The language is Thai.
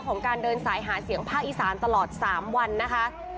การเดินสายหาเสียงภาคอีสานตลอด๓วันนะคะ